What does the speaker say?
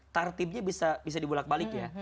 tartibnya bisa dibolak balik ya